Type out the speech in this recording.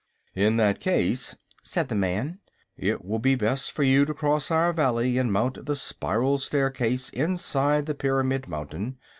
"In that case," said the man, "it will be best for you to cross our Valley and mount the spiral staircase inside the Pyramid Mountain.